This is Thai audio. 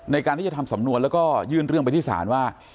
ในการที่จะทำสำนวนแล้วก็ยื่นเรื่องไปที่ศาลว่า